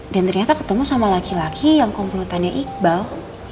dan ternyata ketemu sama laki laki yang komplotannya iqbal